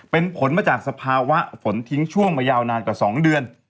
เป็นผลมาจากสภาวะฝนทิ้งช่วงมายาวนานกว่า๒เดือน